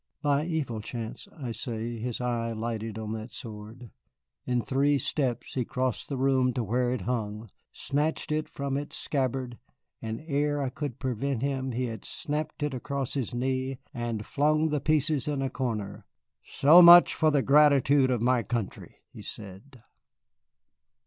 By evil chance, I say, his eye lighted on that sword. In three steps he crossed the room to where it hung, snatched it from its scabbard, and ere I could prevent him he had snapped it across his knee and flung the pieces in a corner. "So much for the gratitude of my country," he said.